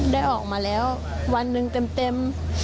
ได้ออกมาแล้ววันหนึ่งเต็ม